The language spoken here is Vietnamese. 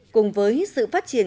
cùng với sự phát triển